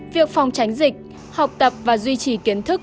việc phòng tránh dịch học tập và duy trì kiến thức